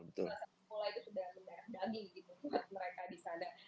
mulai itu sudah mendadak lagi buat mereka di sana